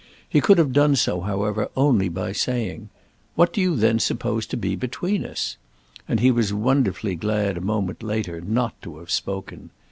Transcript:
He could have done so however only by saying "What then do you suppose to be between us?" and he was wonderfully glad a moment later not to have spoken.